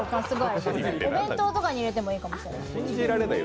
お弁当とかに入れてもいいかもしれない。